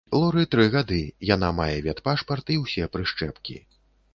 Лоры тры гады, яна мае ветпашпарт і ўсе прышчэпкі.